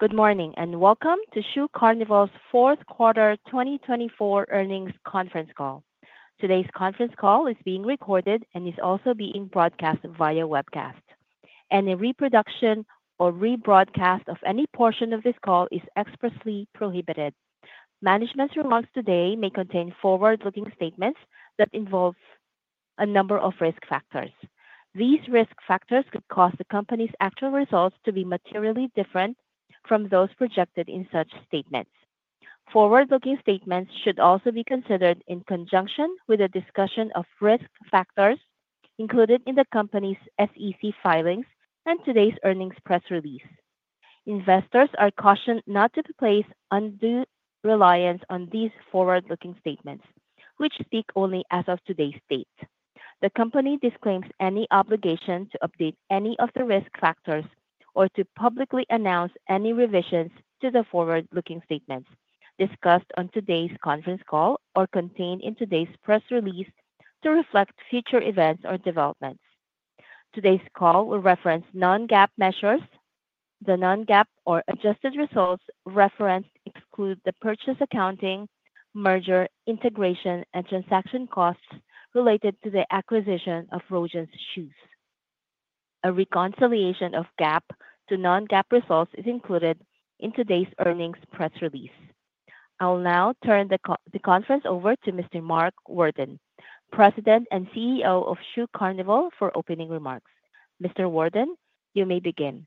Good morning and welcome to Shoe Carnival's fourth quarter 2024 earnings conference call. Today's conference call is being recorded and is also being broadcast via webcast, and the reproduction or rebroadcast of any portion of this call is expressly prohibited. Management's remarks today may contain forward-looking statements that involve a number of risk factors. These risk factors could cause the company's actual results to be materially different from those projected in such statements. Forward-looking statements should also be considered in conjunction with a discussion of risk factors included in the company's SEC filings and today's earnings press release. Investors are cautioned not to place undue reliance on these forward-looking statements, which speak only as of today's date. The company disclaims any obligation to update any of the risk factors or to publicly announce any revisions to the forward-looking statements discussed on today's conference call or contained in today's press release to reflect future events or developments. Today's call will reference non-GAAP measures. The non-GAAP or adjusted results referenced exclude the purchase accounting, merger, integration, and transaction costs related to the acquisition of Rogan's Shoes. A reconciliation of GAAP to non-GAAP results is included in today's earnings press release. I'll now turn the conference over to Mr. Mark Worden, President and CEO of Shoe Carnival, for opening remarks. Mr. Worden, you may begin.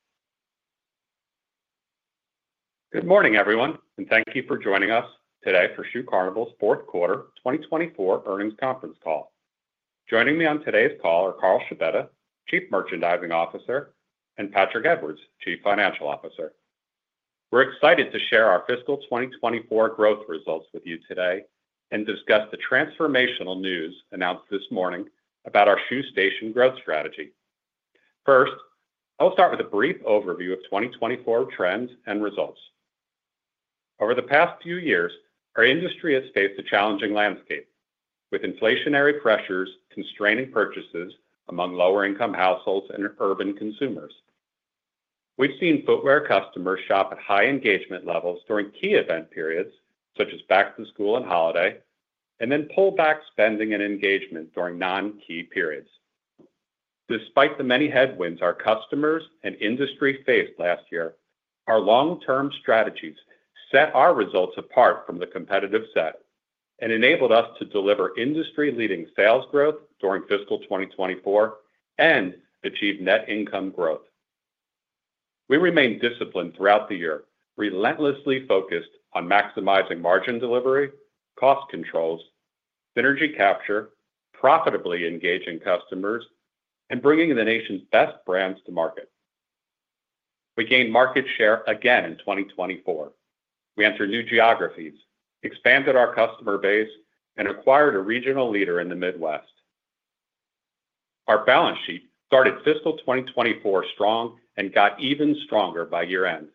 Good morning, everyone, and thank you for joining us today for Shoe Carnival's fourth quarter 2024 earnings conference call. Joining me on today's call are Carl Scibetta, Chief Merchandising Officer, and Patrick Edwards, Chief Financial Officer. We're excited to share our fiscal 2024 growth results with you today and discuss the transformational news announced this morning about our Shoe Station growth strategy. First, I'll start with a brief overview of 2024 trends and results. Over the past few years, our industry has faced a challenging landscape with inflationary pressures constraining purchases among lower-income households and urban consumers. We've seen footwear customers shop at high engagement levels during key event periods such as back-to-school and holiday, and then pull back spending and engagement during non-key periods. Despite the many headwinds our customers and industry faced last year, our long-term strategies set our results apart from the competitive set and enabled us to deliver industry-leading sales growth during fiscal 2024 and achieve net income growth. We remain disciplined throughout the year, relentlessly focused on maximizing margin delivery, cost controls, synergy capture, profitably engaging customers, and bringing the nation's best brands to market. We gained market share again in 2024. We entered new geographies, expanded our customer base, and acquired a regional leader in the Midwest. Our balance sheet started fiscal 2024 strong and got even stronger by year-end.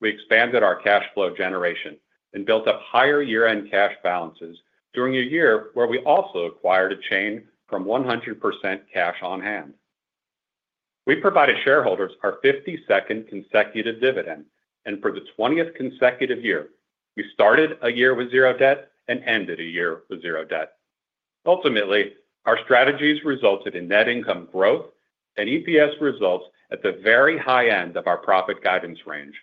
We expanded our cash flow generation and built up higher year-end cash balances during a year where we also acquired a chain from 100% cash on hand. We provided shareholders our 52nd consecutive dividend, and for the 20th consecutive year, we started a year with zero debt and ended a year with zero debt. Ultimately, our strategies resulted in net income growth and EPS results at the very high end of our profit guidance range.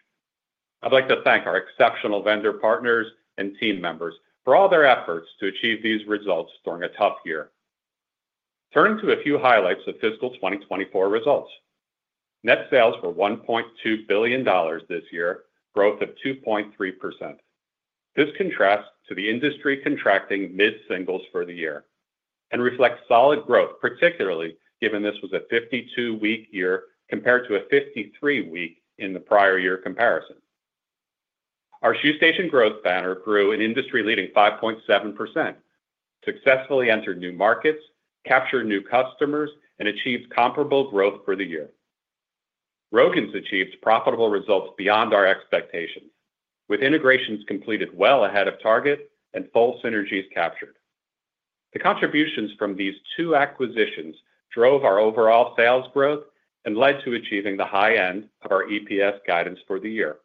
I'd like to thank our exceptional vendor partners and team members for all their efforts to achieve these results during a tough year. Turning to a few highlights of fiscal 2024 results, net sales were $1.2 billion this year, growth of 2.3%. This contrasts to the industry contracting mid-singles for the year and reflects solid growth, particularly given this was a 52-week year compared to a 53-week in the prior year comparison. Our Shoe Station growth banner grew an industry-leading 5.7%, successfully entered new markets, captured new customers, and achieved comparable growth for the year. Shoes achieved profitable results beyond our expectations, with integrations completed well ahead of target and full synergies captured. The contributions from these two acquisitions drove our overall sales growth and led to achieving the high end of our EPS guidance for the year.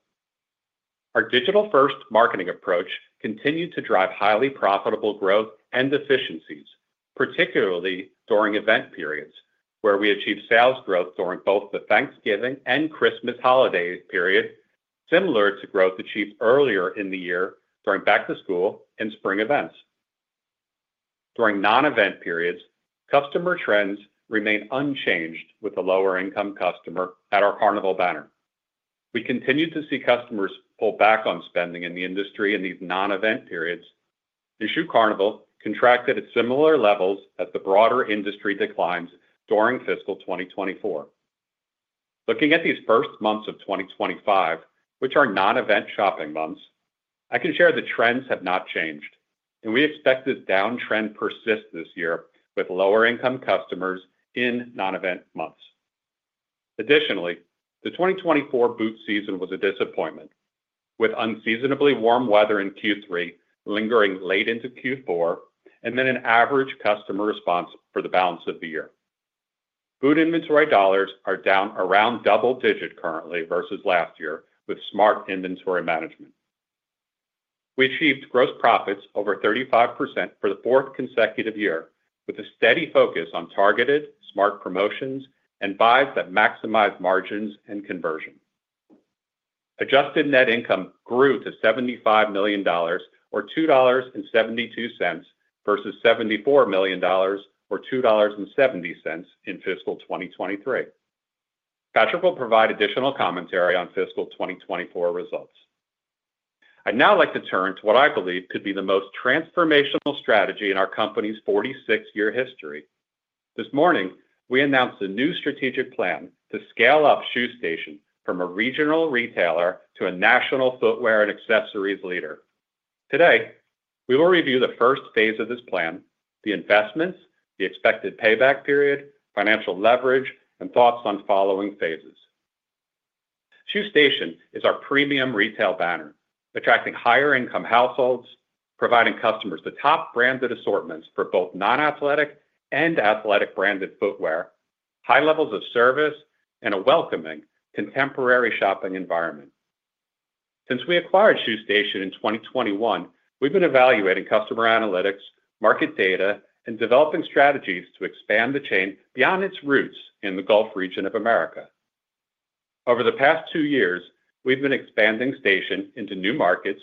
Our digital-first marketing approach continued to drive highly profitable growth and efficiencies, particularly during event periods where we achieved sales growth during both the Thanksgiving and Christmas holiday period, similar to growth achieved earlier in the year during back-to-school and spring events. During non-event periods, customer trends remained unchanged with a lower-income customer at our Carnival banner. We continued to see customers pull back on spending in the industry in these non-event periods, and Shoe Carnival contracted at similar levels as the broader industry declines during fiscal 2024. Looking at these first months of 2025, which are non-event shopping months, I can share the trends have not changed, and we expect this downtrend to persist this year with lower-income customers in non-event months. Additionally, the 2024 boot season was a disappointment, with unseasonably warm weather in Q3 lingering late into Q4 and then an average customer response for the balance of the year. Boot inventory dollars are down around double-digit currently versus last year with smart inventory management. We achieved gross profits over 35% for the fourth consecutive year, with a steady focus on targeted smart promotions and buys that maximize margins and conversion. Adjusted net income grew to $75 million, or $2.72, versus $74 million, or $2.70 in fiscal 2023. Patrick will provide additional commentary on fiscal 2024 results. I'd now like to turn to what I believe could be the most transformational strategy in our company's 46-year history. This morning, we announced a new strategic plan to scale up Shoe Station from a regional retailer to a national footwear and accessories leader. Today, we will review the first phase of this plan, the investments, the expected payback period, financial leverage, and thoughts on following phases. Shoe Station is our premium retail banner, attracting higher-income households, providing customers the top branded assortments for both non-athletic and athletic branded footwear, high levels of service, and a welcoming contemporary shopping environment. Since we acquired Shoe Station in 2021, we've been evaluating customer analytics, market data, and developing strategies to expand the chain beyond its roots in the Gulf region of America. Over the past two years, we've been expanding Station into new markets,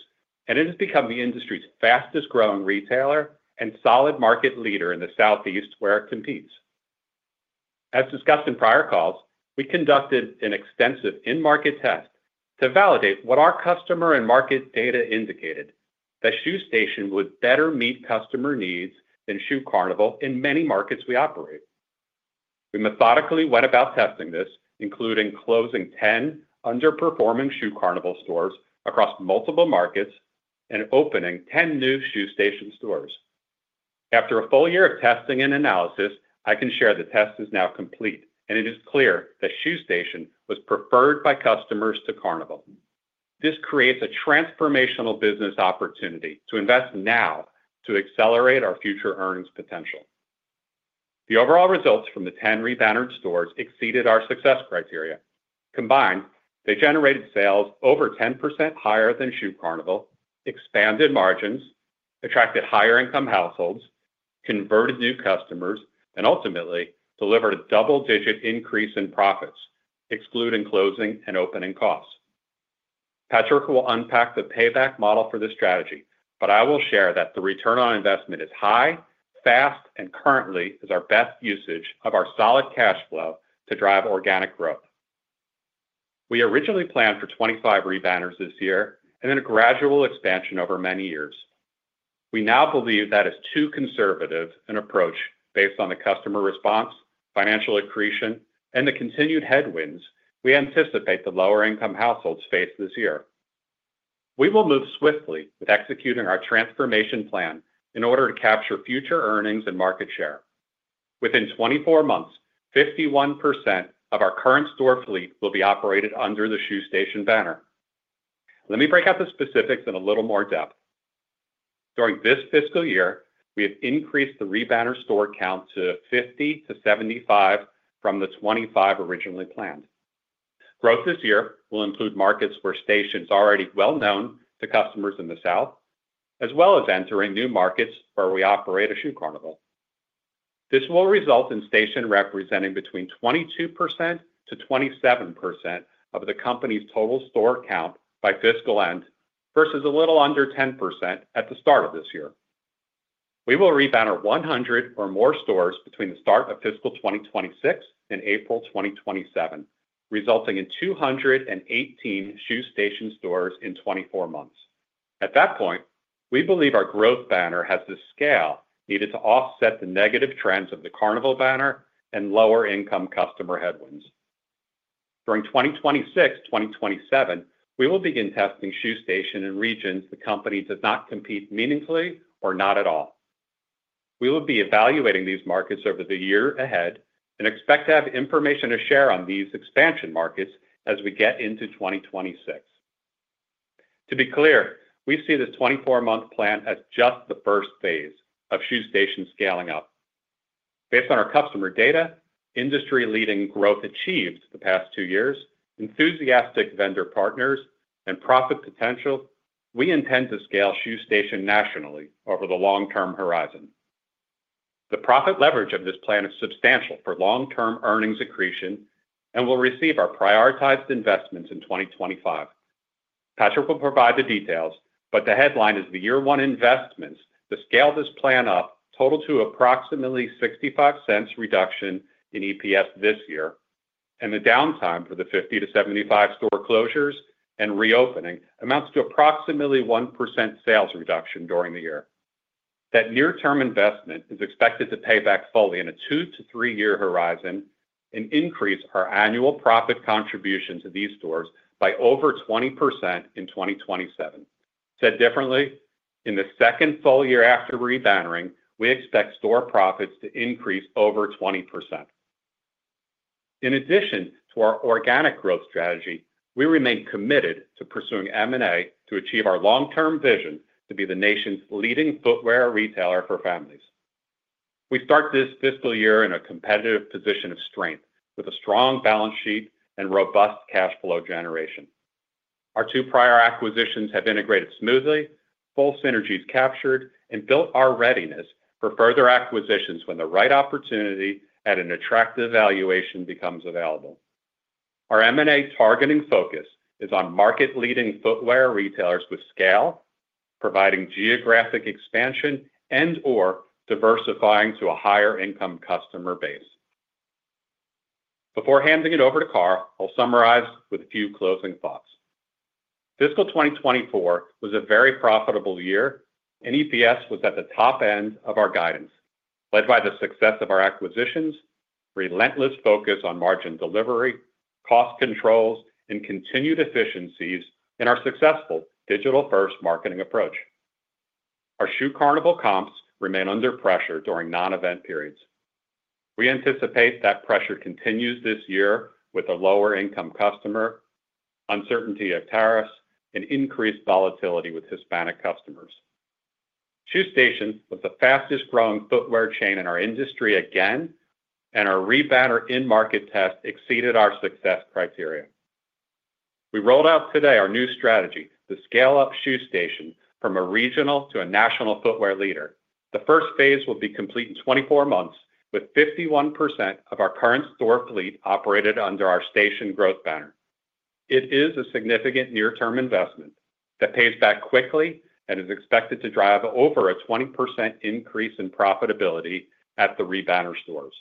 and it has become the industry's fastest-growing retailer and solid market leader in the Southeast where it competes. As discussed in prior calls, we conducted an extensive in-market test to validate what our customer and market data indicated: that Shoe Station would better meet customer needs than Shoe Carnival in many markets we operate. We methodically went about testing this, including closing 10 underperforming Shoe Carnival stores across multiple markets and opening 10 new Shoe Station stores. After a full year of testing and analysis, I can share the test is now complete, and it is clear that Shoe Station was preferred by customers to Carnival. This creates a transformational business opportunity to invest now to accelerate our future earnings potential. The overall results from the 10 rebannered stores exceeded our success criteria. Combined, they generated sales over 10% higher than Shoe Carnival, expanded margins, attracted higher-income households, converted new customers, and ultimately delivered a double-digit increase in profits, excluding closing and opening costs. Patrick will unpack the payback model for this strategy, but I will share that the return on investment is high, fast, and currently is our best usage of our solid cash flow to drive organic growth. We originally planned for 25 rebanners this year and then a gradual expansion over many years. We now believe that is too conservative an approach based on the customer response, financial accretion, and the continued headwinds we anticipate the lower-income households face this year. We will move swiftly with executing our transformation plan in order to capture future earnings and market share. Within 24 months, 51% of our current store fleet will be operated under the Shoe Station banner. Let me break out the specifics in a little more depth. During this fiscal year, we have increased the rebanner store count to 50-75 from the 25 originally planned. Growth this year will include markets where Station is already well-known to customers in the South, as well as entering new markets where we operate a Shoe Carnival. This will result in Station representing between 22%-27% of the company's total store count by fiscal end versus a little under 10% at the start of this year. We will rebanner 100 or more stores between the start of fiscal 2026 and April 2027, resulting in 218 Shoe Station stores in 24 months. At that point, we believe our growth banner has the scale needed to offset the negative trends of the Carnival banner and lower-income customer headwinds. During 2026-2027, we will begin testing Shoe Station in regions the company does not compete meaningfully or not at all. We will be evaluating these markets over the year ahead and expect to have information to share on these expansion markets as we get into 2026. To be clear, we see this 24-month plan as just the first phase of Shoe Station scaling up. Based on our customer data, industry-leading growth achieved the past two years, enthusiastic vendor partners, and profit potential, we intend to scale Shoe Station nationally over the long-term horizon. The profit leverage of this plan is substantial for long-term earnings accretion and will receive our prioritized investments in 2025. Patrick will provide the details, but the headline is the year-one investments to scale this plan up total to approximately $0.65 reduction in EPS this year, and the downtime for the 50-75 store closures and reopening amounts to approximately 1% sales reduction during the year. That near-term investment is expected to pay back fully in a two to three-year horizon and increase our annual profit contribution to these stores by over 20% in 2027. Said differently, in the second full year after rebannering, we expect store profits to increase over 20%. In addition to our organic growth strategy, we remain committed to pursuing M&A to achieve our long-term vision to be the nation's leading footwear retailer for families. We start this fiscal year in a competitive position of strength with a strong balance sheet and robust cash flow generation. Our two prior acquisitions have integrated smoothly, full synergies captured, and built our readiness for further acquisitions when the right opportunity at an attractive valuation becomes available. Our M&A targeting focus is on market-leading footwear retailers with scale, providing geographic expansion and/or diversifying to a higher-income customer base. Before handing it over to Carl, I'll summarize with a few closing thoughts. Fiscal 2024 was a very profitable year, and EPS was at the top end of our guidance, led by the success of our acquisitions, relentless focus on margin delivery, cost controls, and continued efficiencies in our successful digital-first marketing approach. Our Shoe Carnival comps remain under pressure during non-event periods. We anticipate that pressure continues this year with a lower-income customer, uncertainty of tariffs, and increased volatility with Hispanic customers. Shoe Station was the fastest-growing footwear chain in our industry again, and our rebanner in-market test exceeded our success criteria. We rolled out today our new strategy, the scale-up Shoe Station from a regional to a national footwear leader. The first phase will be complete in 24 months, with 51% of our current store fleet operated under our Station growth banner. It is a significant near-term investment that pays back quickly and is expected to drive over a 20% increase in profitability at the rebanner stores.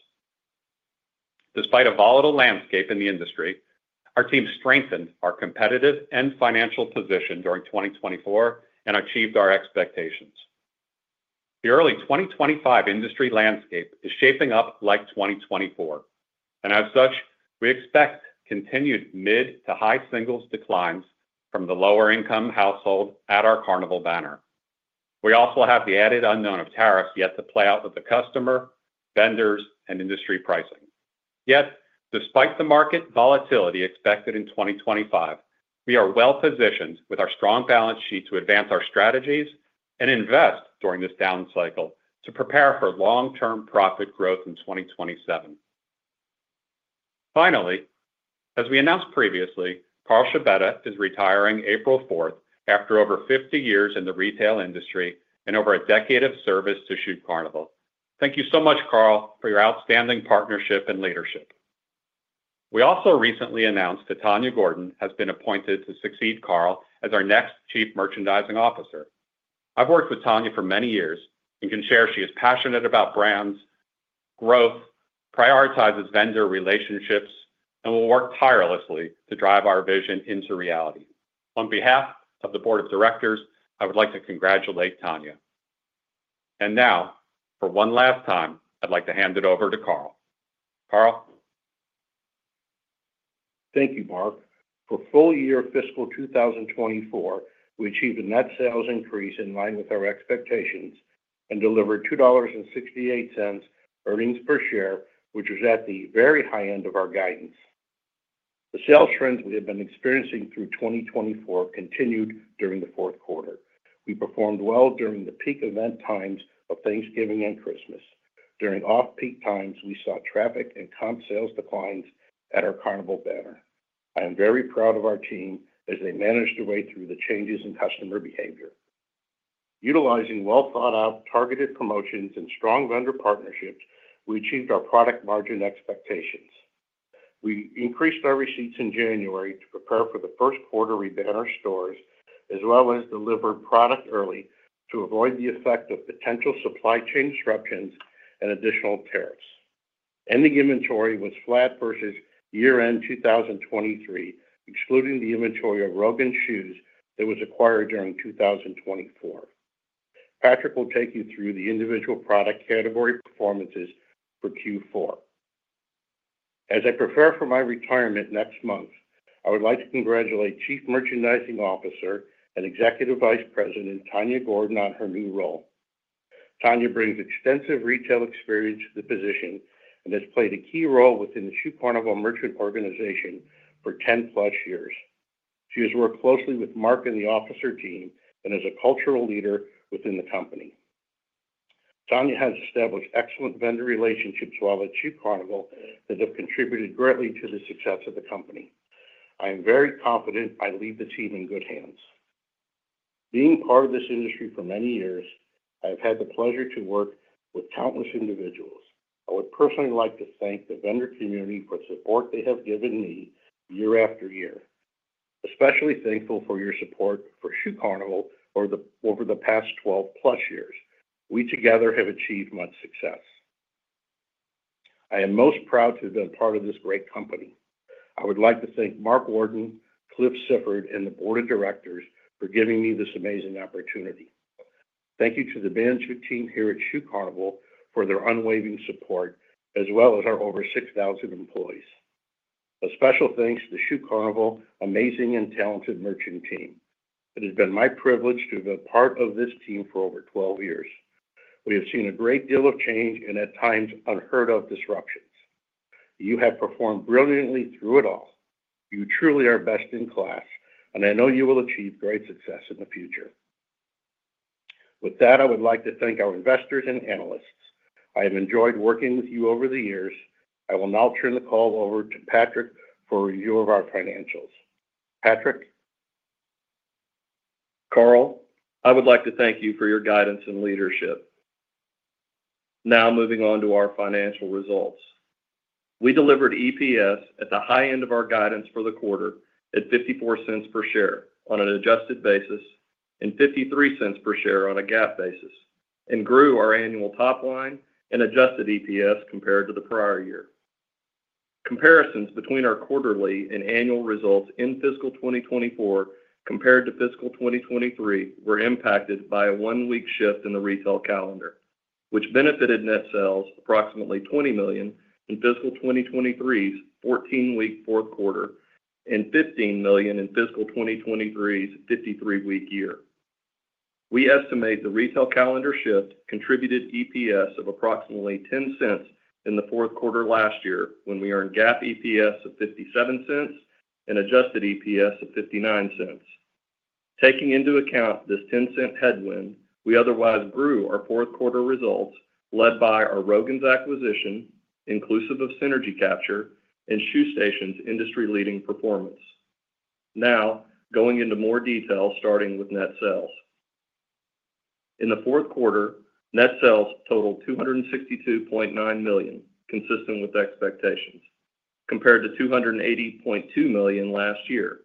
Despite a volatile landscape in the industry, our team strengthened our competitive and financial position during 2024 and achieved our expectations. The early 2025 industry landscape is shaping up like 2024, and as such, we expect continued mid to high singles declines from the lower-income household at our Carnival banner. We also have the added unknown of tariffs yet to play out with the customer, vendors, and industry pricing. Yet, despite the market volatility expected in 2025, we are well-positioned with our strong balance sheet to advance our strategies and invest during this down cycle to prepare for long-term profit growth in 2027. Finally, as we announced previously, Carl Scibetta is retiring April 4 after over 50 years in the retail industry and over a decade of service to Shoe Carnival. Thank you so much, Carl, for your outstanding partnership and leadership. We also recently announced that Tanya Gordon has been appointed to succeed Carl as our next Chief Merchandising Officer. I've worked with Tanya for many years and can share she is passionate about brands, growth, prioritizes vendor relationships, and will work tirelessly to drive our vision into reality. On behalf of the Board of Directors, I would like to congratulate Tanya. For one last time, I'd like to hand it over to Carl. Carl. Thank you, Mark. For full year fiscal 2024, we achieved a net sales increase in line with our expectations and delivered $2.68 earnings per share, which was at the very high end of our guidance. The sales trends we have been experiencing through 2024 continued during the fourth quarter. We performed well during the peak event times of Thanksgiving and Christmas. During off-peak times, we saw traffic and comp sales declines at our Carnival banner. I am very proud of our team as they managed to wade through the changes in customer behavior. Utilizing well-thought-out targeted promotions and strong vendor partnerships, we achieved our product margin expectations. We increased our receipts in January to prepare for the first quarter rebanner stores, as well as deliver product early to avoid the effect of potential supply chain disruptions and additional tariffs. Ending inventory was flat versus year-end 2023, excluding the inventory of Rogan's Shoes that was acquired during 2024. Patrick will take you through the individual product category performances for Q4. As I prepare for my retirement next month, I would like to congratulate Chief Merchandising Officer and Executive Vice President Tanya Gordon on her new role. Tanya brings extensive retail experience to the position and has played a key role within the Shoe Carnival Merchant Organization for 10-plus years. She has worked closely with Mark and the Officer team and is a cultural leader within the company. Tanya has established excellent vendor relationships while at Shoe Carnival that have contributed greatly to the success of the company. I am very confident I leave the team in good hands. Being part of this industry for many years, I have had the pleasure to work with countless individuals. I would personally like to thank the vendor community for the support they have given me year after year. Especially thankful for your support for Shoe Carnival over the past 12-plus years. We together have achieved much success. I am most proud to have been part of this great company. I would like to thank Mark Worden, Clif Sifford, and the Board of Directors for giving me this amazing opportunity. Thank you to the management team here at Shoe Carnival for their unwavering support, as well as our over 6,000 employees. A special thanks to the Shoe Carnival amazing and talented merchant team. It has been my privilege to have been part of this team for over 12 years. We have seen a great deal of change and at times unheard-of disruptions. You have performed brilliantly through it all. You truly are best in class, and I know you will achieve great success in the future. With that, I would like to thank our investors and analysts. I have enjoyed working with you over the years. I will now turn the call over to Patrick for a review of our financials. Patrick. Carl, I would like to thank you for your guidance and leadership. Now moving on to our financial results. We delivered EPS at the high end of our guidance for the quarter at $0.54 per share on an adjusted basis and $0.53 per share on a GAAP basis, and grew our annual top line and adjusted EPS compared to the prior year. Comparisons between our quarterly and annual results in fiscal 2024 compared to fiscal 2023 were impacted by a one-week shift in the retail calendar, which benefited net sales approximately $20 million in fiscal 2023's 14-week fourth quarter and $15 million in fiscal 2023's 53-week year. We estimate the retail calendar shift contributed EPS of approximately $0.10 in the fourth quarter last year when we earned GAAP EPS of $0.57 and adjusted EPS of $0.59. Taking into account this $0.10 headwind, we otherwise grew our fourth quarter results led by our Rogan's acquisition, inclusive of synergy capture, and Shoe Station's industry-leading performance. Now going into more detail, starting with net sales. In the fourth quarter, net sales totaled $262.9 million, consistent with expectations, compared to $280.2 million last year.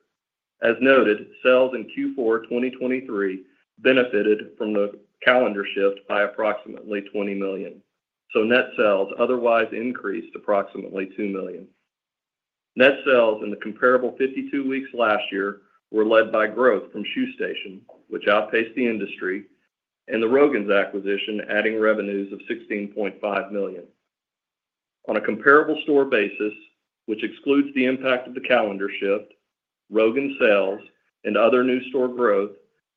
As noted, sales in Q4 2023 benefited from the calendar shift by approximately $20 million. Net sales otherwise increased approximately $2 million. Net sales in the comparable 52 weeks last year were led by growth from Shoe Station, which outpaced the industry, and the Rogan's acquisition adding revenues of $16.5 million. On a comparable store basis, which excludes the impact of the calendar shift, Rogan's sales, and other new store growth,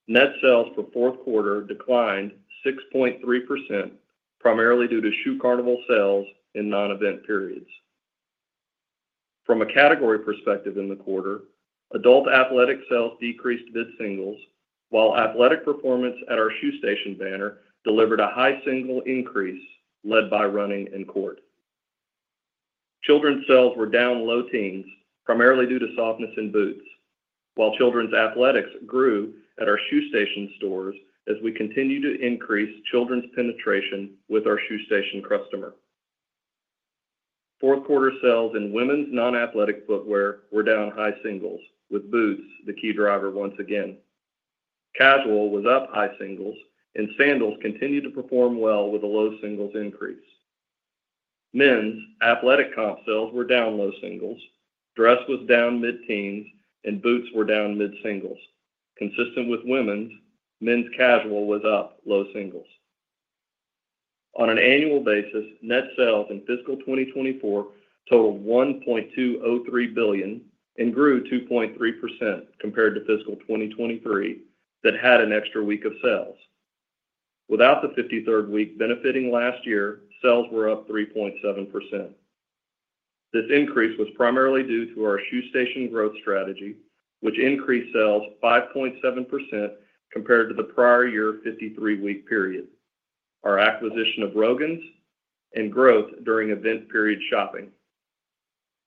net sales for fourth quarter declined 6.3%, primarily due to Shoe Carnival sales in non-event periods. From a category perspective in the quarter, adult athletic sales decreased mid-singles, while athletic performance at our Shoe Station banner delivered a high single increase led by running and court. Children's sales were down low teens, primarily due to softness in boots, while children's athletics grew at our Shoe Station stores as we continued to increase children's penetration with our Shoe Station customer. Fourth quarter sales in women's non-athletic footwear were down high singles, with boots the key driver once again. Casual was up high singles, and sandals continued to perform well with a low singles increase. Men's athletic comp sales were down low singles, dress was down mid-teens, and boots were down mid-singles. Consistent with women's, men's casual was up low singles. On an annual basis, net sales in fiscal 2024 totaled $1.203 billion and grew 2.3% compared to fiscal 2023 that had an extra week of sales. Without the 53rd week benefiting last year, sales were up 3.7%. This increase was primarily due to our Shoe Station growth strategy, which increased sales 5.7% compared to the prior year 53-week period, our acquisition of Rogan's, and growth during event period shopping.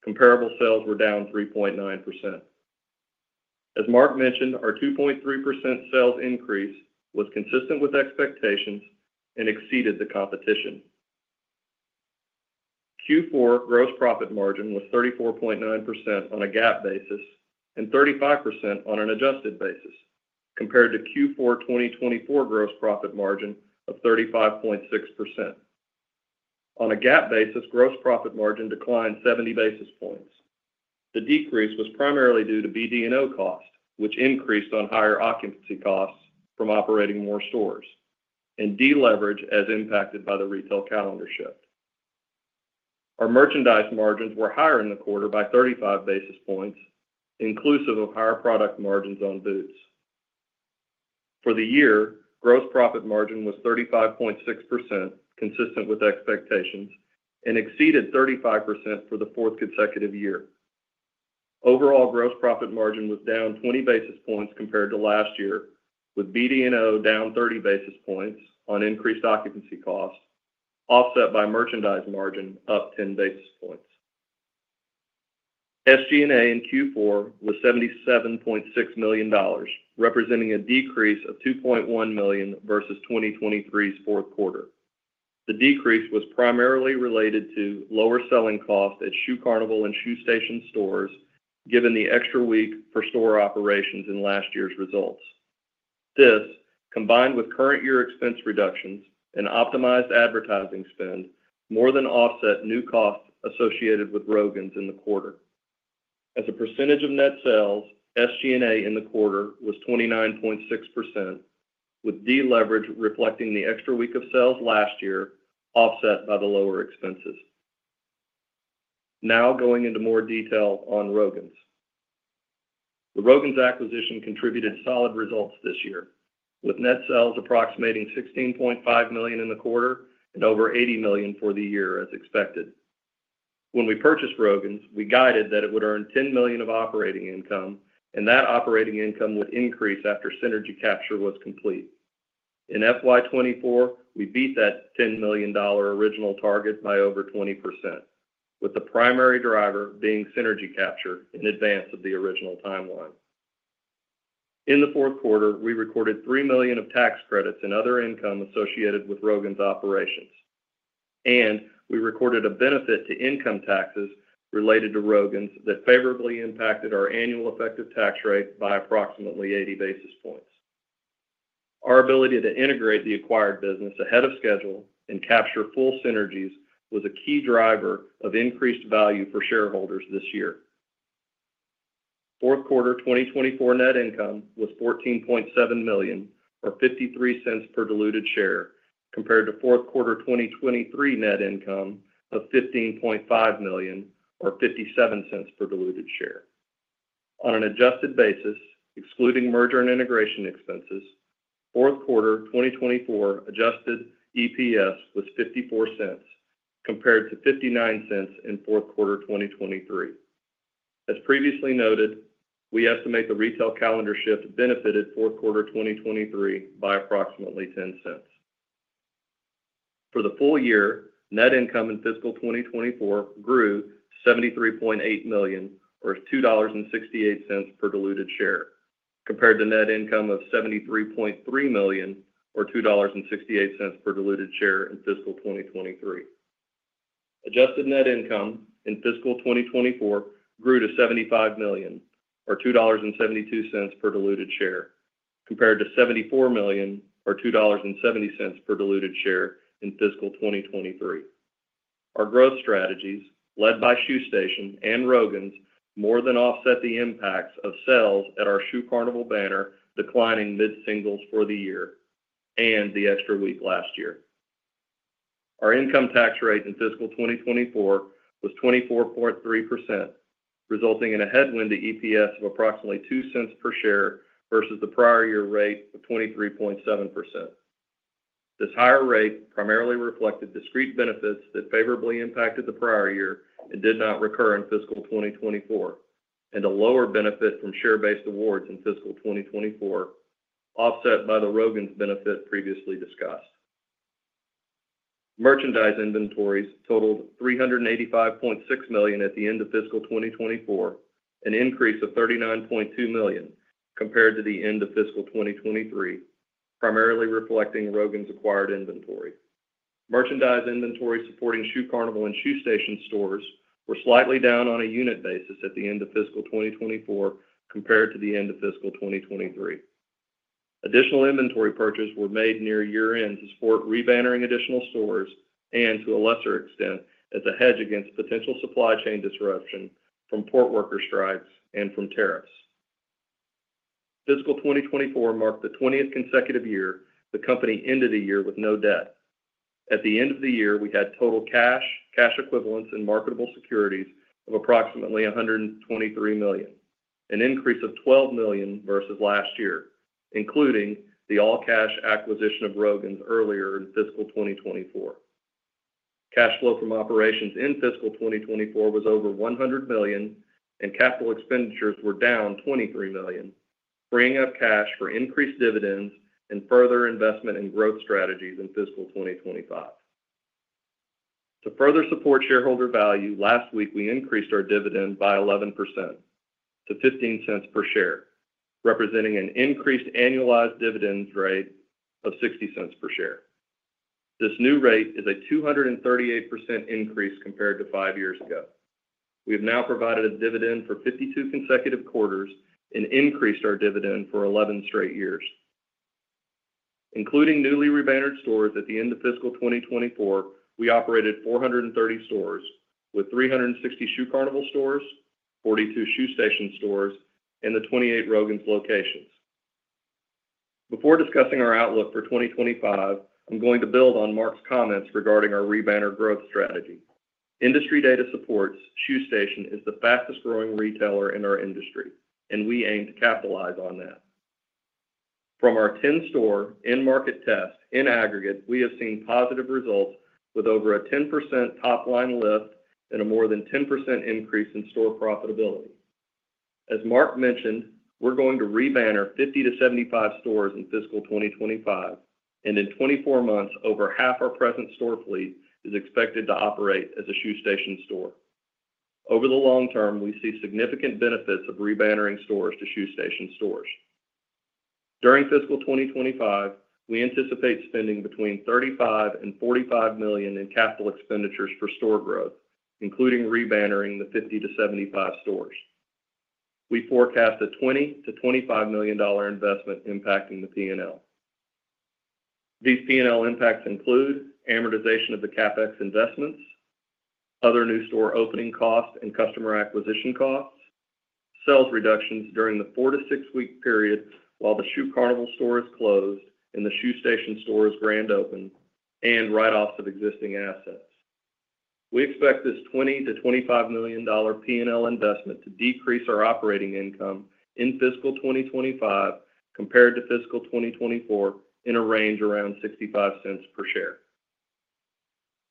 Comparable sales were down 3.9%. As Mark mentioned, our 2.3% sales increase was consistent with expectations and exceeded the competition. Q4 gross profit margin was 34.9% on a GAAP basis and 35% on an adjusted basis compared to Q4 2023 gross profit margin of 35.6%. On a GAAP basis, gross profit margin declined 70 basis points. The decrease was primarily due to BD&O costs, which increased on higher occupancy costs from operating more stores, and deleverage as impacted by the retail calendar shift. Our merchandise margins were higher in the quarter by 35 basis points, inclusive of higher product margins on boots. For the year, gross profit margin was 35.6%, consistent with expectations, and exceeded 35% for the fourth consecutive year. Overall gross profit margin was down 20 basis points compared to last year, with BD&O down 30 basis points on increased occupancy cost, offset by merchandise margin up 10 basis points. SG&A in Q4 was $77.6 million, representing a decrease of $2.1 million versus 2023's fourth quarter. The decrease was primarily related to lower selling costs at Shoe Carnival and Shoe Station stores, given the extra week for store operations in last year's results. This, combined with current year expense reductions and optimized advertising spend, more than offset new costs associated with Rogan's in the quarter. As a percentage of net sales, SG&A in the quarter was 29.6%, with de-leverage reflecting the extra week of sales last year, offset by the lower expenses. Now going into more detail on Rogan's. The Rogan's acquisition contributed solid results this year, with net sales approximating $16.5 million in the quarter and over $80 million for the year as expected. When we purchased Rogan's, we guided that it would earn $10 million of operating income, and that operating income would increase after synergy capture was complete. In FY 2024, we beat that $10 million original target by over 20%, with the primary driver being synergy capture in advance of the original timeline. In the fourth quarter, we recorded $3 million of tax credits and other income associated with Rogan's operations. We recorded a benefit to income taxes related to Rogan's that favorably impacted our annual effective tax rate by approximately 80 basis points. Our ability to integrate the acquired business ahead of schedule and capture full synergies was a key driver of increased value for shareholders this year. Fourth quarter 2024 net income was $14.7 million, or $0.53 per diluted share, compared to fourth quarter 2023 net income of $15.5 million, or $0.57 per diluted share. On an adjusted basis, excluding merger and integration expenses, fourth quarter 2024 adjusted EPS was $0.54 compared to $0.59 in fourth quarter 2023. As previously noted, we estimate the retail calendar shift benefited fourth quarter 2023 by approximately $0.10. For the full year, net income in fiscal 2024 grew to $73.8 million, or $2.68 per diluted share, compared to net income of $73.3 million, or $2.68 per diluted share in fiscal 2023. Adjusted net income in fiscal 2024 grew to $75 million, or $2.72 per diluted share, compared to $74 million, or $2.70 per diluted share in fiscal 2023. Our growth strategies, led by Shoe Station and Rogan's Shoes, more than offset the impacts of sales at our Shoe Carnival banner declining mid-singles for the year and the extra week last year. Our income tax rate in fiscal 2024 was 24.3%, resulting in a headwind to EPS of approximately $0.02 per share versus the prior year rate of 23.7%. This higher rate primarily reflected discrete benefits that favorably impacted the prior year and did not recur in fiscal 2024, and a lower benefit from share-based awards in fiscal 2024, offset by the Rogan's benefit previously discussed. Merchandise inventories totaled $385.6 million at the end of fiscal 2024, an increase of $39.2 million compared to the end of fiscal 2023, primarily reflecting Rogan's acquired inventory. Merchandise inventory supporting Shoe Carnival and Shoe Station stores were slightly down on a unit basis at the end of fiscal 2024 compared to the end of fiscal 2023. Additional inventory purchases were made near year-end to support rebannering additional stores and, to a lesser extent, as a hedge against potential supply chain disruption from port worker strikes and from tariffs. Fiscal 2024 marked the 20th consecutive year the company ended the year with no debt. At the end of the year, we had total cash, cash equivalents, and marketable securities of approximately $123 million, an increase of $12 million versus last year, including the all-cash acquisition of Rogan's earlier in fiscal 2024. Cash flow from operations in fiscal 2024 was over $100 million, and capital expenditures were down $23 million, freeing up cash for increased dividends and further investment in growth strategies in fiscal 2025. To further support shareholder value, last week we increased our dividend by 11% to $0.15 per share, representing an increased annualized dividend rate of $0.60 per share. This new rate is a 238% increase compared to five years ago. We have now provided a dividend for 52 consecutive quarters and increased our dividend for 11 straight years. Including newly re-bannered stores at the end of fiscal 2024, we operated 430 stores, with 360 Shoe Carnival stores, 42 Shoe Station stores, and the 28 Rogan's locations. Before discussing our outlook for 2025, I'm going to build on Mark's comments regarding our re-banner growth strategy. Industry data supports Shoe Station is the fastest-growing retailer in our industry, and we aim to capitalize on that. From our 10-store in-market test, in aggregate, we have seen positive results with over a 10% top line lift and a more than 10% increase in store profitability. As Mark mentioned, we're going to re-banner 50-75 stores in fiscal 2025, and in 24 months, over half our present store fleet is expected to operate as a Shoe Station store. Over the long term, we see significant benefits of re-bannering stores to Shoe Station stores. During fiscal 2025, we anticipate spending between $35 million and $45 million in capital expenditures for store growth, including re-bannering the 50-75 stores. We forecast a $20 million-$25 million investment impacting the P&L. These P&L impacts include amortization of the CapEx investments, other new store opening costs and customer acquisition costs, sales reductions during the four to six-week period while the Shoe Carnival store is closed and the Shoe Station store is grand open, and write-offs of existing assets. We expect this $20 million-$25 million P&L investment to decrease our operating income in fiscal 2025 compared to fiscal 2024 in a range around $0.65 per share.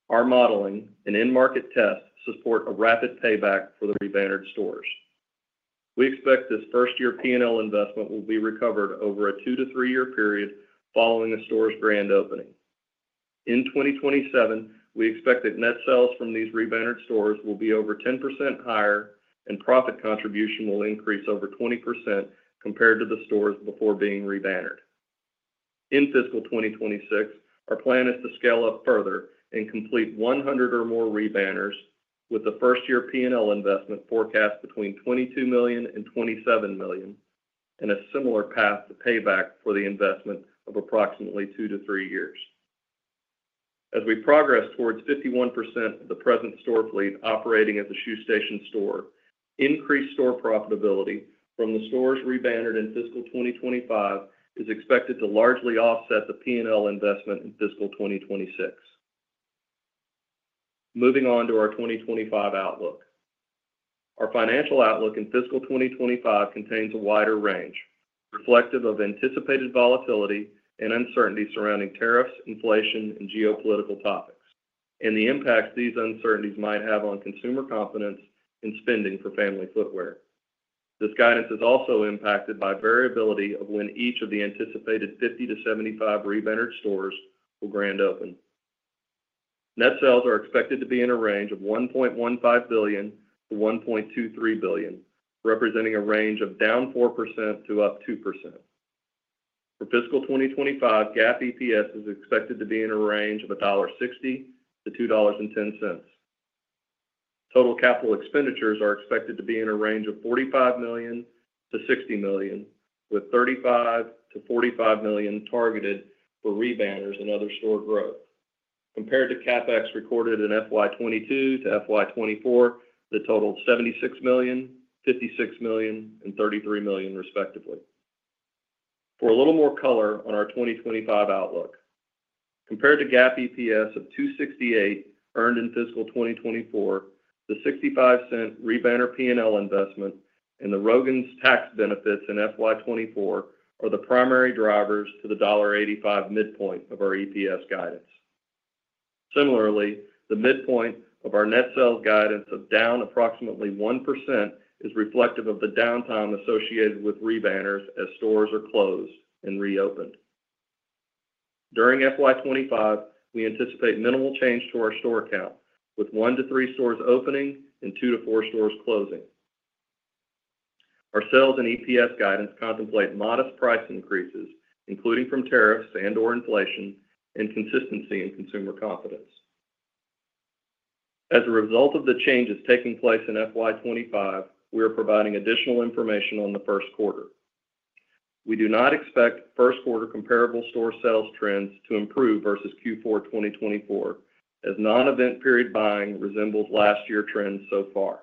Our modeling and in-market tests support a rapid payback for the re-bannered stores. We expect this first-year P&L investment will be recovered over a two to three-year period following the store's grand opening. In 2027, we expect that net sales from these re-bannered stores will be over 10% higher, and profit contribution will increase over 20% compared to the stores before being re-bannered. In fiscal 2026, our plan is to scale up further and complete 100 or more re-banners, with the first-year P&L investment forecast between $22 million and $27 million and a similar path to payback for the investment of approximately two to three years. As we progress towards 51% of the present store fleet operating as a Shoe Station store, increased store profitability from the stores re-bannered in fiscal 2025 is expected to largely offset the P&L investment in fiscal 2026. Moving on to our 2025 outlook. Our financial outlook in fiscal 2025 contains a wider range, reflective of anticipated volatility and uncertainty surrounding tariffs, inflation, and geopolitical topics, and the impacts these uncertainties might have on consumer confidence in spending for family footwear. This guidance is also impacted by variability of when each of the anticipated 50-75 re-bannered stores will grand open. Net sales are expected to be in a range of $1.15 billion-$1.23 billion, representing a range of down 4% to up 2%. For fiscal 2025, GAAP EPS is expected to be in a range of $1.60-$2.10. Total capital expenditures are expected to be in a range of $45 million-$60 million, with $35 million-$45 million targeted for re-banners and other store growth. Compared to CapEx recorded in fiscal years 2022 to 2024, that totaled $76 million, $56 million, and $33 million, respectively. For a little more color on our 2025 outlook, compared to GAAP EPS of $2.68 earned in fiscal 2024, the $0.65 re-banner P&L investment and the Rogan's tax benefits in fiscal 2024 are the primary drivers to the $1.85 midpoint of our EPS guidance. Similarly, the midpoint of our net sales guidance of down approximately 1% is reflective of the downtime associated with re-banners as stores are closed and reopened. During fiscal 2025, we anticipate minimal change to our store count, with one to three stores opening and two to four stores closing. Our sales and EPS guidance contemplate modest price increases, including from tariffs and/or inflation, and consistency in consumer confidence. As a result of the changes taking place in fiscal 2025, we are providing additional information on the first quarter. We do not expect first-quarter comparable store sales trends to improve versus Q4 2024, as non-event period buying resembles last year's trends so far.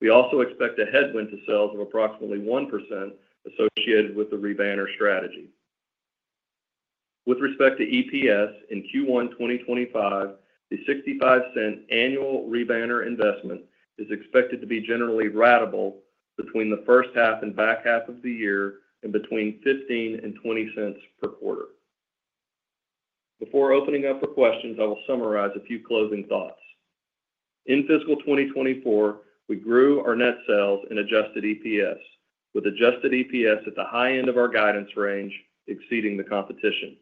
We also expect a headwind to sales of approximately 1% associated with the re-banner strategy. With respect to EPS in Q1 2025, the $0.65 annual re-banner investment is expected to be generally ratable between the first half and back half of the year and between $0.15-$0.20 per quarter. Before opening up for questions, I will summarize a few closing thoughts. In fiscal 2024, we grew our net sales and adjusted EPS, with adjusted EPS at the high end of our guidance range, exceeding the competition.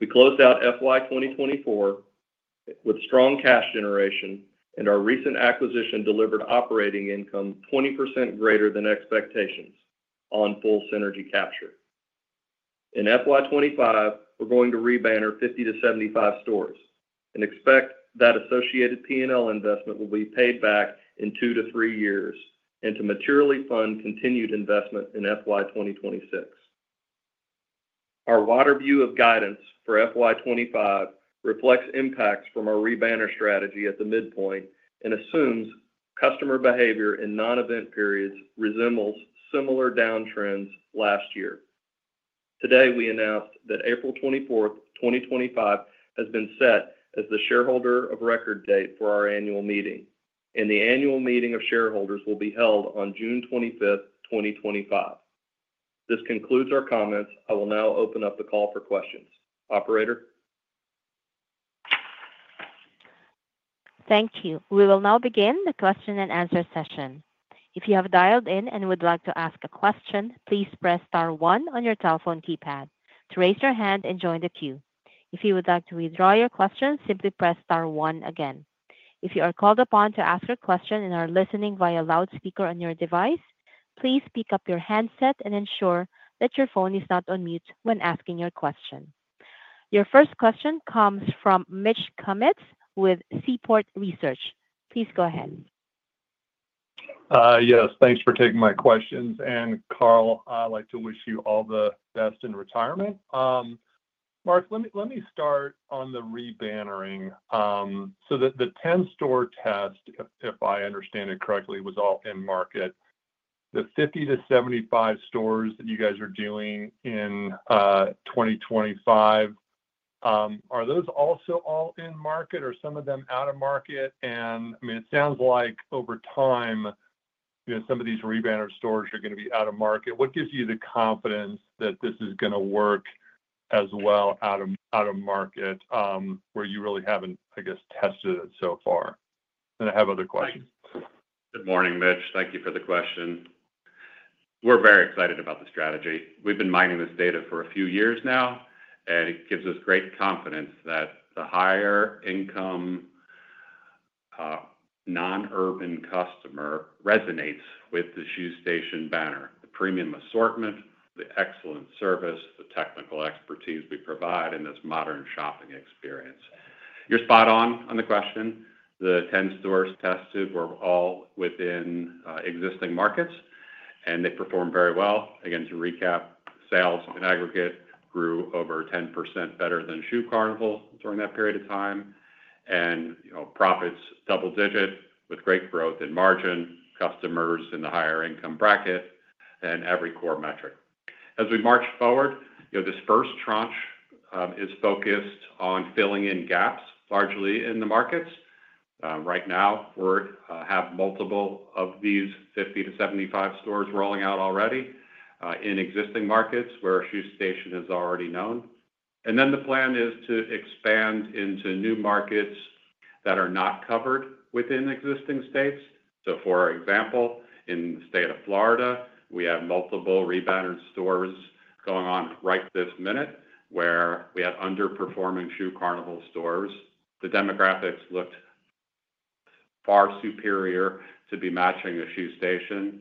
We closed out FY 2024 with strong cash generation, and our recent acquisition delivered operating income 20% greater than expectations on full synergy capture. In FY 2025, we're going to re-banner 50-75 stores and expect that associated P&L investment will be paid back in two to three years and to materially fund continued investment in FY 2026. Our wider view of guidance for FY 2025 reflects impacts from our re-banner strategy at the midpoint and assumes customer behavior in non-event periods resembles similar downtrends last year. Today, we announced that April 24, 2025, has been set as the shareholder of record date for our annual meeting, and the annual meeting of shareholders will be held on June 25, 2025. This concludes our comments. I will now open up the call for questions. Operator. Thank you. We will now begin the question and answer session. If you have dialed in and would like to ask a question, please press star one on your telephone keypad to raise your hand and join the queue. If you would like to withdraw your question, simply press star one again. If you are called upon to ask a question and are listening via loudspeaker on your device, please pick up your handset and ensure that your phone is not on mute when asking your question. Your first question comes from Mitch Kummetz with Seaport Research. Please go ahead. Yes, thanks for taking my questions. And Carl, I'd like to wish you all the best in retirement. Mark, let me start on the rebannering. The 10-store test, if I understand it correctly, was all in market. The 50-75 stores that you guys are doing in 2025, are those also all in market or some of them out of market? I mean, it sounds like over time, some of these rebanner stores are going to be out of market. What gives you the confidence that this is going to work as well out of market where you really haven't, I guess, tested it so far? I have other questions. Good morning, Mitch. Thank you for the question. We're very excited about the strategy. We've been mining this data for a few years now, and it gives us great confidence that the higher-income non-urban customer resonates with the Shoe Station banner, the premium assortment, the excellent service, the technical expertise we provide, and this modern shopping experience. You're spot on on the question. The 10 stores tested were all within existing markets, and they performed very well. Again, to recap, sales in aggregate grew over 10% better than Shoe Carnival during that period of time, and profits double-digit with great growth in margin, customers in the higher-income bracket, and every core metric. As we march forward, this first tranche is focused on filling in gaps largely in the markets. Right now, we have multiple of these 50-75 stores rolling out already in existing markets where Shoe Station is already known. The plan is to expand into new markets that are not covered within existing states. For our example, in the state of Florida, we have multiple rebannering stores going on right this minute where we had underperforming Shoe Carnival stores. The demographics looked far superior to be matching the Shoe Station.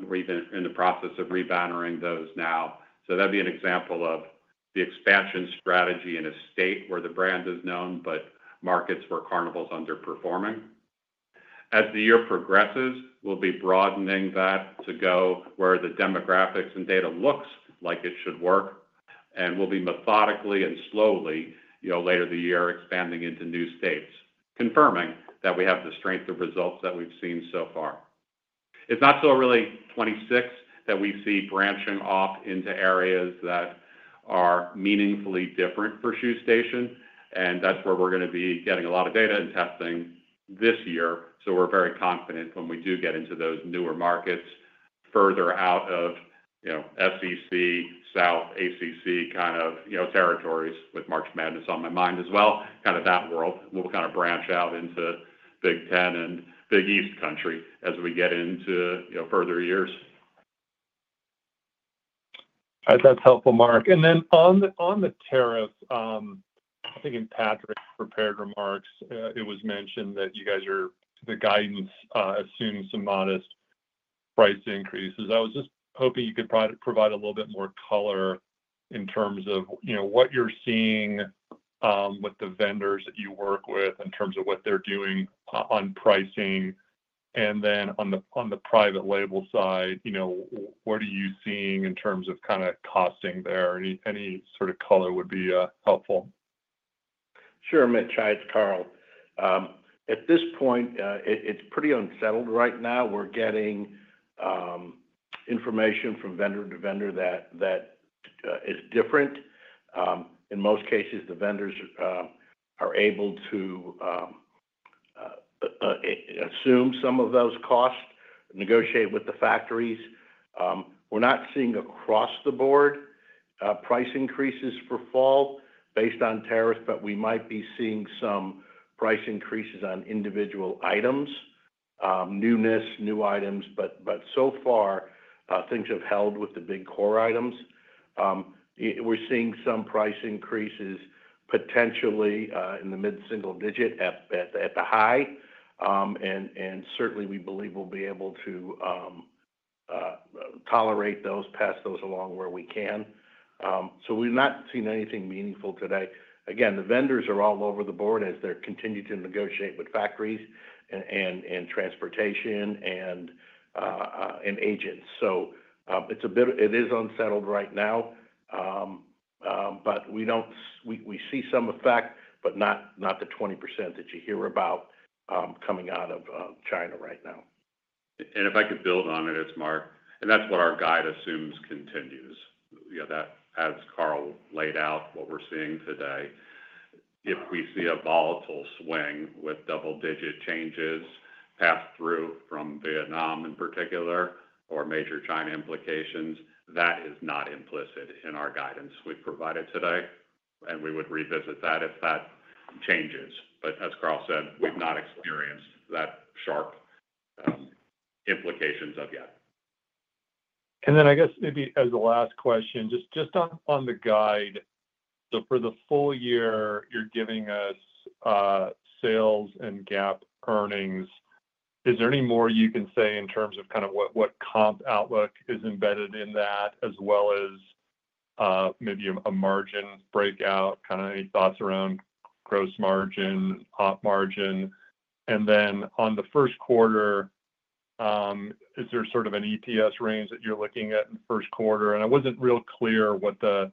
We are even in the process of rebannering those now. That would be an example of the expansion strategy in a state where the brand is known, but markets where Carnival's underperforming. As the year progresses, we'll be broadening that to go where the demographics and data looks like it should work, and we'll be methodically and slowly later in the year expanding into new states, confirming that we have the strength of results that we've seen so far. It's not till really 2026 that we see branching off into areas that are meaningfully different for Shoe Station, and that's where we're going to be getting a lot of data and testing this year. We are very confident when we do get into those newer markets further out of SEC, South, ACC kind of territories with March Madness on my mind as well. Kind of that world, we'll kind of branch out into Big Ten and Big East country as we get into further years. That's helpful, Mark. On the tariffs, I think in Patrick's prepared remarks, it was mentioned that you guys are. The guidance assumes some modest price increases. I was just hoping you could provide a little bit more color in terms of what you're seeing with the vendors that you work with in terms of what they're doing on pricing. On the private label side, what are you seeing in terms of kind of costing there? Any sort of color would be helpful. Sure, Mitch. Hi, it's Carl. At this point, it's pretty unsettled right now. We're getting information from vendor to vendor that is different. In most cases, the vendors are able to assume some of those costs, negotiate with the factories. We're not seeing across the board price increases for fall based on tariffs, but we might be seeing some price increases on individual items, newness, new items. So far, things have held with the big core items. We're seeing some price increases potentially in the mid-single digit at the high, and certainly, we believe we'll be able to tolerate those, pass those along where we can. We've not seen anything meaningful today. Again, the vendors are all over the board as they continue to negotiate with factories and transportation and agents. It is unsettled right now, but we see some effect, but not the 20% that you hear about coming out of China right now. If I could build on it, it's Mark. That's what our guide assumes continues. That as Carl laid out what we're seeing today, if we see a volatile swing with double-digit changes passed through from Vietnam in particular or major China implications, that is not implicit in our guidance we've provided today, and we would revisit that if that changes. As Carl said, we've not experienced that sharp implications of yet. I guess maybe as a last question, just on the guide, for the full year, you're giving us sales and GAAP earnings. Is there any more you can say in terms of kind of what comp outlook is embedded in that, as well as maybe a margin breakout, kind of any thoughts around gross margin, op margin? On the first quarter, is there sort of an EPS range that you're looking at in the first quarter? I wasn't real clear what the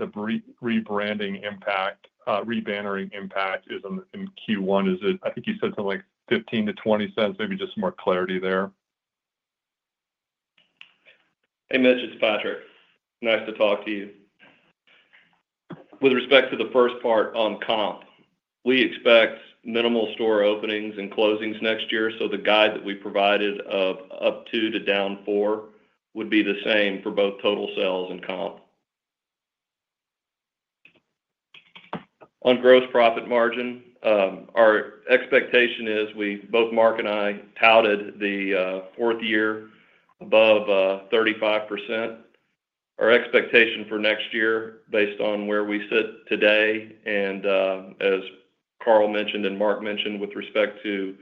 rebranding impact, re-bannering impact is in Q1. I think you said something like 15-20 cents, maybe just some more clarity there. Hey, Mitch, it's Patrick. Nice to talk to you. With respect to the first part on comp, we expect minimal store openings and closings next year. The guide that we provided of up 2% to down 4% would be the same for both total sales and comp. On gross profit margin, our expectation is we, both Mark and I, touted the fourth year above 35%. Our expectation for next year, based on where we sit today and as Carl mentioned and Mark mentioned with respect to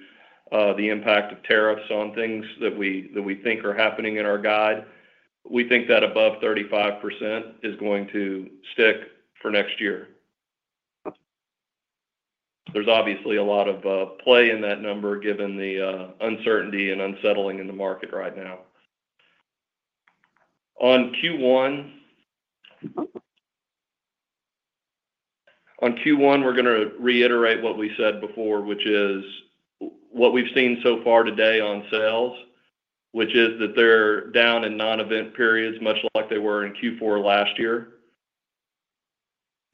the impact of tariffs on things that we think are happening in our guide, we think that above 35% is going to stick for next year. There's obviously a lot of play in that number given the uncertainty and unsettling in the market right now. On Q1, we're going to reiterate what we said before, which is what we've seen so far today on sales, which is that they're down in non-event periods much like they were in Q4 last year,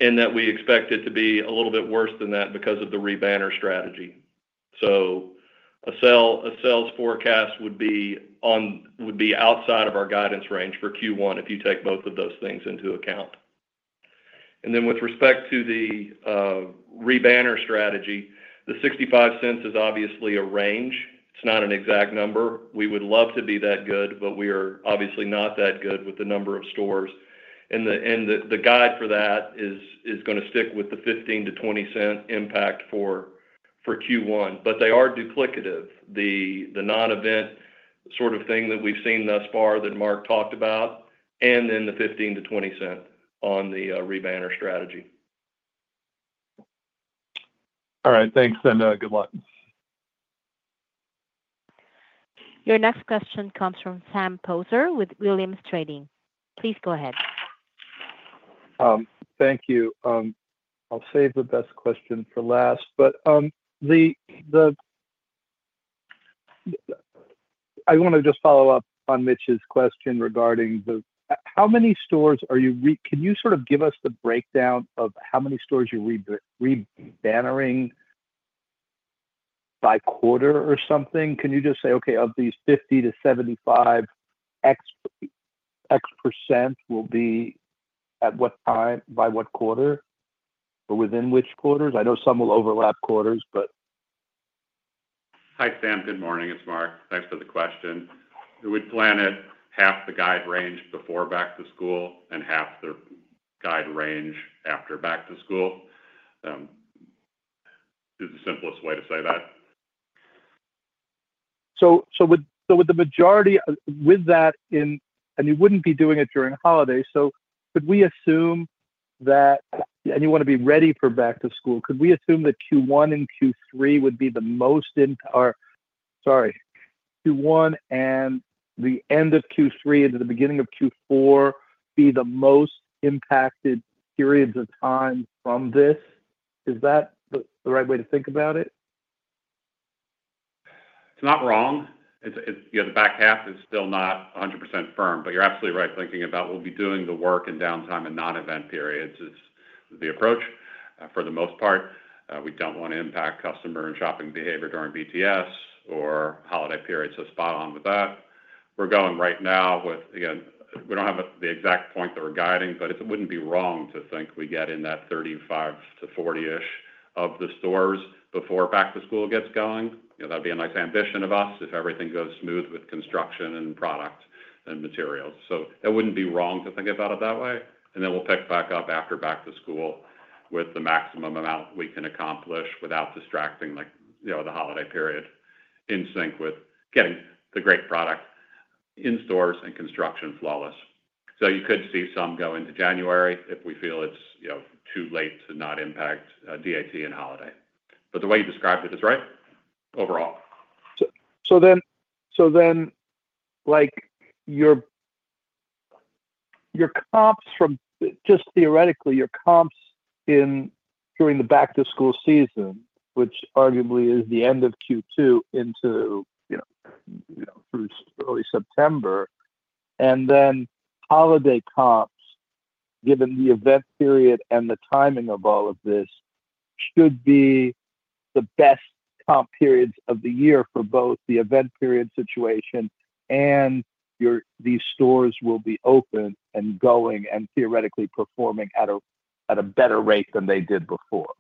and that we expect it to be a little bit worse than that because of the re-banner strategy. A sales forecast would be outside of our guidance range for Q1 if you take both of those things into account. With respect to the re-banner strategy, the $0.65 is obviously a range. It's not an exact number. We would love to be that good, but we are obviously not that good with the number of stores. The guide for that is going to stick with the 15%-20% impact for Q1, but they are duplicative, the non-event sort of thing that we have seen thus far that Mark talked about, and then the 15%-20% on the re-banner strategy. All right. Thanks, and good luck. Your next question comes from Sam Poser with Williams Trading. Please go ahead. Thank you. I will save the best question for last. I want to just follow up on Mitch's question regarding the how many stores are you, can you sort of give us the breakdown of how many stores you are re-bannering by quarter or something? Can you just say, "Okay, of these 50-75, X% will be at what time by what quarter or within which quarters?" I know some will overlap quarters. Hi, Sam. Good morning. It is Mark. Thanks for the question. We'd plan it half the guide range before back to school and half the guide range after back to school. It's the simplest way to say that. With the majority with that in and you wouldn't be doing it during holidays. Could we assume that and you want to be ready for back to school. Could we assume that Q1 and Q3 would be the most, sorry, Q1 and the end of Q3 into the beginning of Q4 be the most impacted periods of time from this? Is that the right way to think about it? It's not wrong. The back half is still not 100% firm, but you're absolutely right thinking about we'll be doing the work in downtime and non-event periods is the approach for the most part. We do not want to impact customer and shopping behavior during BTS or holiday period, so spot on with that. We are going right now with again, we do not have the exact point that we are guiding, but it would not be wrong to think we get in that 35-40-ish of the stores before back to school gets going. That would be a nice ambition of us if everything goes smooth with construction and product and materials. It would not be wrong to think about it that way. We will pick back up after back to school with the maximum amount we can accomplish without distracting the holiday period in sync with getting the great product in stores and construction flawless. You could see some go into January if we feel it is too late to not impact DAT and holiday. The way you described it is right overall. Then your comps from just theoretically, your comps during the back-to-school season, which arguably is the end of Q2 into through early September, and then holiday comps, given the event period and the timing of all of this, should be the best comp periods of the year for both the event period situation and these stores will be open and going and theoretically performing at a better rate than they did before.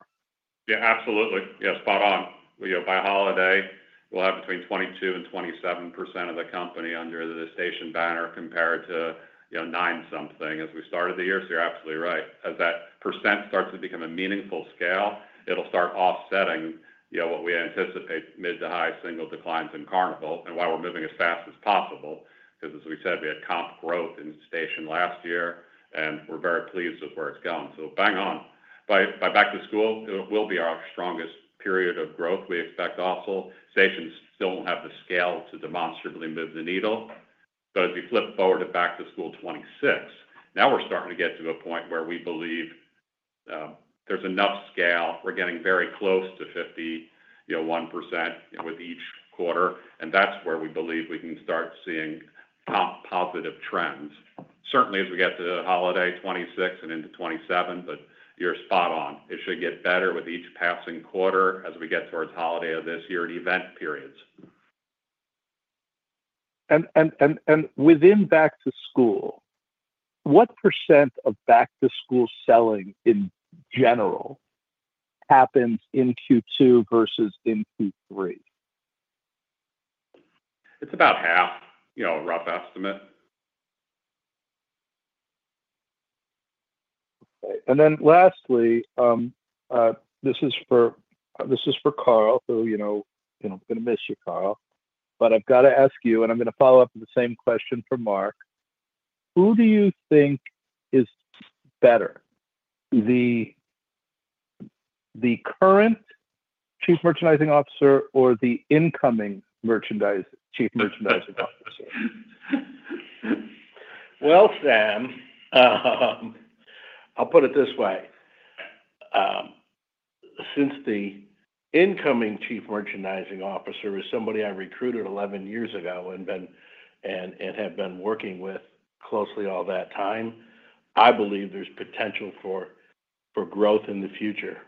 Yeah, absolutely. Yeah, spot on. By holiday, we'll have between 22% and 27% of the company under the Station banner compared to nine something as we started the year. So you're absolutely right. As that % starts to become a meaningful scale, it'll start offsetting what we anticipate mid to high single declines in Carnival and why we're moving as fast as possible because, as we said, we had comp growth in Station last year, and we're very pleased with where it's gone. Bang on. By back to school, it will be our strongest period of growth. We expect also Station still won't have the scale to demonstrably move the needle. As we flip forward to back to school 2026, now we're starting to get to a point where we believe there's enough scale. We're getting very close to 51% with each quarter, and that's where we believe we can start seeing positive trends. Certainly, as we get to holiday 2026 and into 2027, you're spot on. It should get better with each passing quarter as we get towards holiday of this year and event periods. Within back to school, what % of back to school selling in general happens in Q2 versus in Q3? It's about half, a rough estimate. Okay. Lastly, this is for Carl, so I'm going to miss you, Carl, but I've got to ask you, and I'm going to follow up with the same question for Mark. Who do you think is better, the current Chief Merchandising Officer or the incoming Chief Merchandising Officer? Well, Sam, I'll put it this way. Since the incoming Chief Merchandising Officer is somebody I recruited 11 years ago and have been working with closely all that time, I believe there's potential for growth in the future.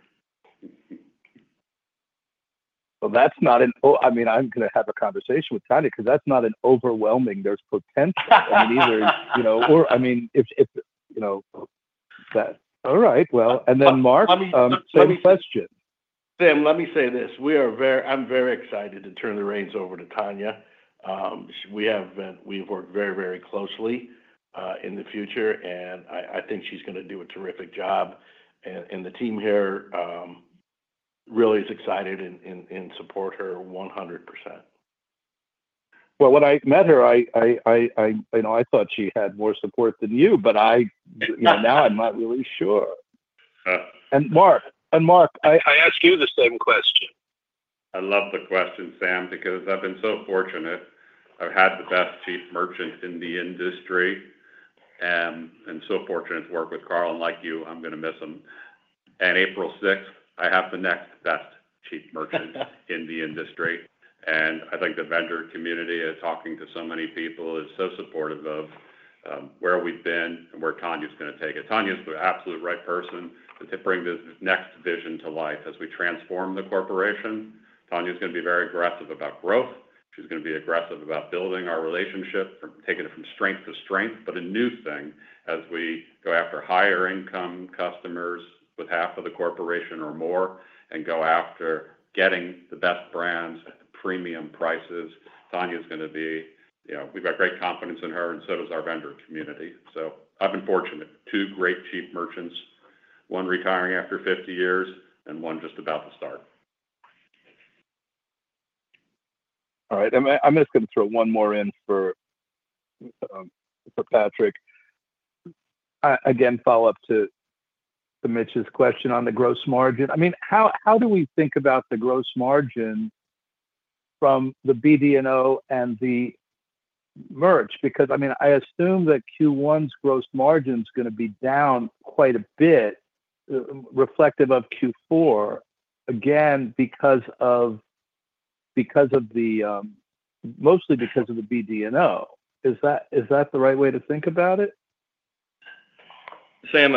That's not an I mean, I'm going to have a conversation with Tanya because that's not an overwhelming there's potential. I mean, either or I mean, if that. All right. Mark, same question. Sam, let me say this. I'm very excited to turn the reins over to Tanya. We have worked very, very closely in the future, and I think she's going to do a terrific job. The team here really is excited and support her 100%. When I met her, I thought she had more support than you, but now I'm not really sure. Mark, I ask you the same question. I love the question, Sam, because I've been so fortunate. I've had the best chief merchant in the industry and so fortunate to work with Carl and like you. I'm going to miss him. April 6th, I have the next best chief merchant in the industry. I think the vendor community is talking to so many people, is so supportive of where we've been and where Tanya's going to take it. Tanya's the absolute right person to bring this next vision to life as we transform the corporation. Tanya's going to be very aggressive about growth. She's going to be aggressive about building our relationship, taking it from strength to strength. A new thing as we go after higher-income customers with half of the corporation or more and go after getting the best brands at the premium prices. Tanya's going to be, we've got great confidence in her, and so does our vendor community. I've been fortunate. Two great chief merchants, one retiring after 50 years and one just about to start. All right. I'm just going to throw one more in for Patrick. Again, follow up to Mitch's question on the gross margin. I mean, how do we think about the gross margin from the BD&O and the merch? Because I mean, I assume that Q1's gross margin is going to be down quite a bit, reflective of Q4, again, mostly because of the BD&O. Is that the right way to think about it? Sam,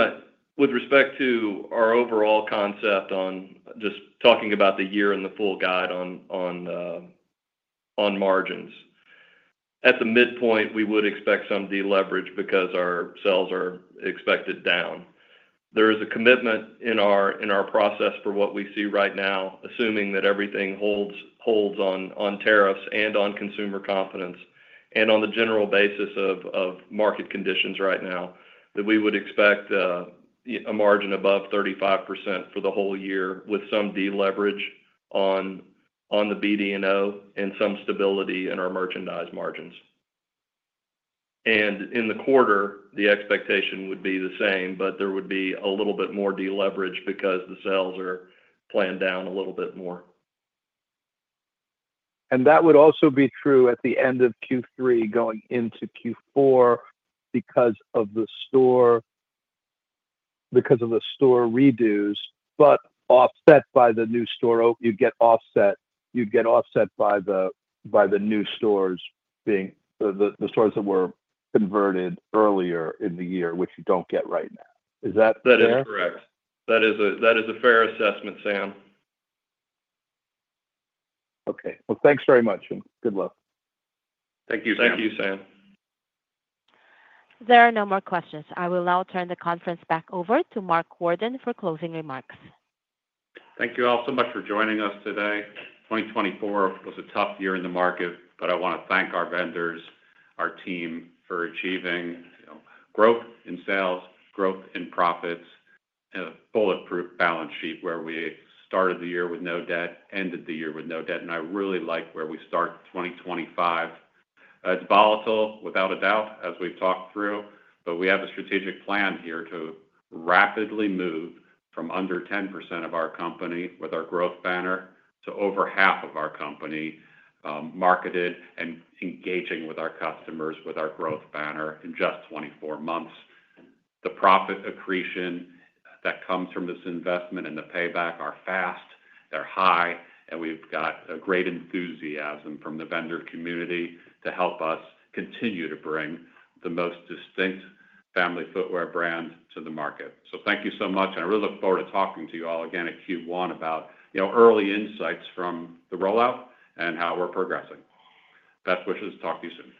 with respect to our overall concept on just talking about the year and the full guide on margins, at the midpoint, we would expect some deleverage because our sales are expected down. There is a commitment in our process for what we see right now, assuming that everything holds on tariffs and on consumer confidence and on the general basis of market conditions right now, that we would expect a margin above 35% for the whole year with some deleverage on the BD&O and some stability in our merchandise margins. In the quarter, the expectation would be the same, but there would be a little bit more deleverage because the sales are planned down a little bit more. That would also be true at the end of Q3 going into Q4 because of the store redos, but offset by the new store. You'd get offset by the new stores being the stores that were converted earlier in the year, which you don't get right now. Is that fair? That is correct. That is a fair assessment, Sam. Okay. Thank you very much, and good luck. Thank you, Sam. Thank you, Sam. There are no more questions. I will now turn the conference back over to Mark Worden for closing remarks. Thank you all so much for joining us today. 2024 was a tough year in the market, but I want to thank our vendors, our team for achieving growth in sales, growth in profits, and a bulletproof balance sheet where we started the year with no debt, ended the year with no debt. I really like where we start 2025. It is volatile, without a doubt, as we have talked through, but we have a strategic plan here to rapidly move from under 10% of our company with our growth banner to over half of our company marketed and engaging with our customers with our growth banner in just 24 months. The profit accretion that comes from this investment and the payback are fast. They're high, and we've got a great enthusiasm from the vendor community to help us continue to bring the most distinct family footwear brand to the market. Thank you so much. I really look forward to talking to you all again at Q1 about early insights from the rollout and how we're progressing. Best wishes. Talk to you soon.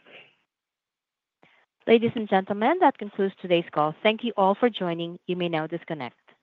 Ladies and gentlemen, that concludes today's call. Thank you all for joining. You may now disconnect.